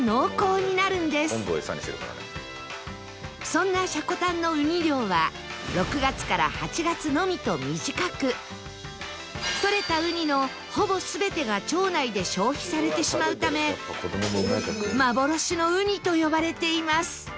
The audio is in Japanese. そんな積丹のウニ漁は６月から８月のみと短くとれたウニのほぼ全てが町内で消費されてしまうため幻のウニと呼ばれています